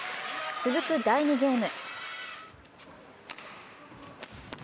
続く第２ゲーム。